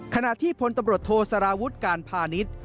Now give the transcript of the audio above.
ขณะที่พลตำรวจโทสารวุฒิการพาณิชย์